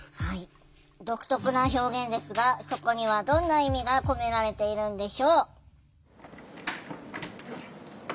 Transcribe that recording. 独特な表現ですがそこにはどんな意味が込められているんでしょう。